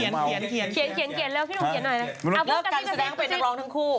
ไม่ไปเดี๋ยวเขาใบ่ดิเลิกเขาเขาเลิก